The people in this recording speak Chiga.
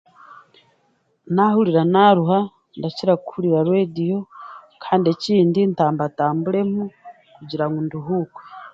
Naahurira naaruha ndakira kuhurira reediyo kandi ekindi ntambantamburemu kugira nduhuukwe